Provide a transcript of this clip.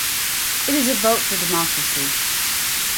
It is a vote for democracy.